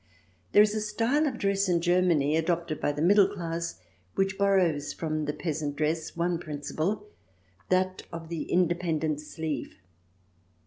There is a style of dress in Germany adopted by the middle class which borrows from the peasant dress one principle, that of the independant sleeve.